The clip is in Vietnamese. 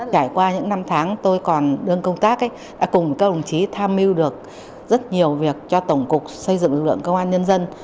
trải qua những năm tháng tôi còn đương công tác đã cùng các đồng chí tham mưu được rất nhiều việc cho tổng cục xây dựng lực lượng công an nhân dân